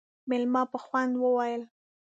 مېلمه په خوند وويل: